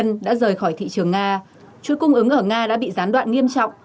nga đã rời khỏi thị trường nga chuỗi cung ứng ở nga đã bị gián đoạn nghiêm trọng